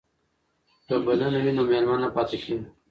که بلنه وي نو مېلمه نه پاتې کیږي.